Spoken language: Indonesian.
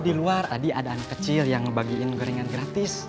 di luar tadi ada anak kecil yang bagiin gorengan gratis